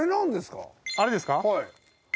あれですか？